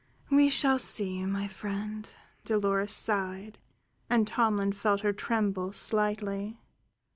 "We shall see, my friend," Dolores sighed, and Tomlin felt her tremble slightly.